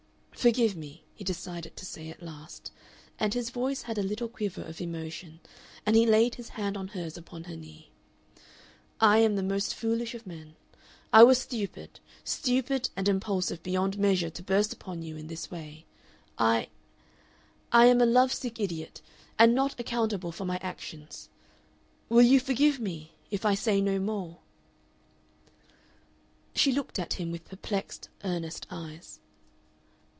"Forgive me," he decided to say at last, and his voice had a little quiver of emotion, and he laid his hand on hers upon her knee. "I am the most foolish of men. I was stupid stupid and impulsive beyond measure to burst upon you in this way. I I am a love sick idiot, and not accountable for my actions. Will you forgive me if I say no more?" She looked at him with perplexed, earnest eyes.